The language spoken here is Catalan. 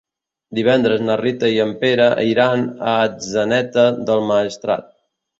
Divendres na Rita i en Pere iran a Atzeneta del Maestrat.